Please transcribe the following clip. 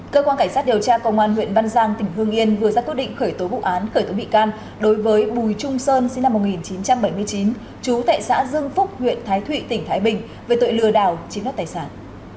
cơ quan cảnh sát điều tra công an huyện văn giang tỉnh hương yên vừa ra quyết định khởi tố vụ án khởi tố bị can đối với bùi trung sơn sinh năm một nghìn chín trăm bảy mươi chín chú tại xã dương phúc huyện thái thụy tỉnh thái bình về tội lừa đảo chiếm đất tài sản